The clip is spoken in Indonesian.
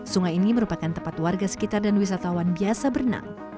sungai ini merupakan tempat warga sekitar dan wisatawan biasa berenang